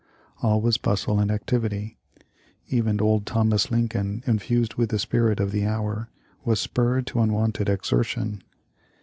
All was bustle and activity. Even old Thomas Lincoln, infused with the spirit of the hour, was spurred to unwonted exertion.